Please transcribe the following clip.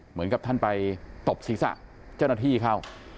เหมือนกับท่านไปตบศีรษะเจ้าหน้าที่เข้า